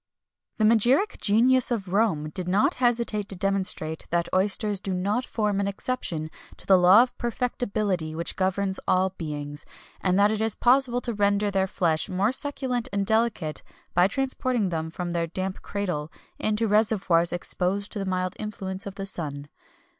The magiric genius of Rome did not hesitate to demonstrate that oysters do not form an exception to the law of perfectibility which governs all beings, and that it is possible to render their flesh more succulent and delicate by transporting them from their damp cradle into reservoirs exposed to the mild influence of the sun.